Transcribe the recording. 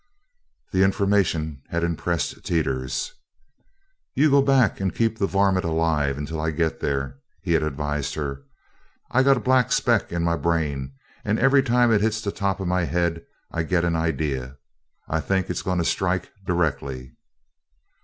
The information had impressed Teeters. "You go back and keep the varmit alive until I git there," he had advised her. "I got a black speck in my brain, and every time it hits the top of my head I get an idea I think it's goin' to strike directly."